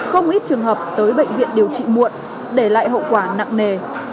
không ít trường hợp tới bệnh viện điều trị muộn để lại hậu quả nặng nề